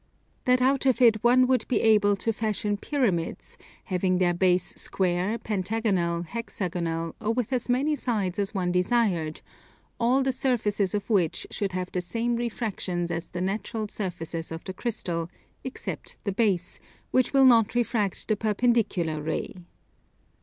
That out of it one would be able to fashion pyramids, having their base square, pentagonal, hexagonal, or with as many sides as one desired, all the surfaces of which should have the same refractions as the natural surfaces of the crystal, except the base, which will not refract the perpendicular ray.